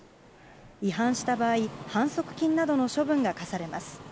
違反した場合反則金などの処分が科されます。